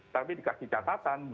tapi dikasih catatan